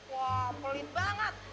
wah pelit banget